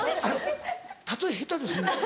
例え下手ですね。